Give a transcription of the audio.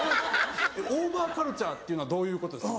「オーバーカルチャーっていうのはどういうことですか？」。